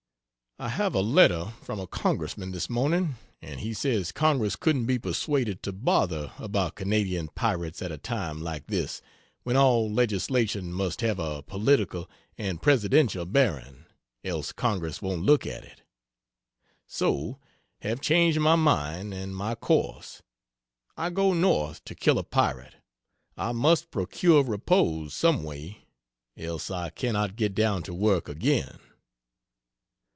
I have a letter from a Congressman this morning, and he says Congress couldn't be persuaded to bother about Canadian pirates at a time like this when all legislation must have a political and Presidential bearing, else Congress won't look at it. So have changed my mind and my course; I go north, to kill a pirate. I must procure repose some way, else I cannot get down to work again.